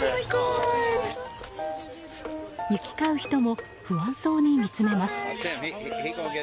行き交う人も不安そうに見つめます。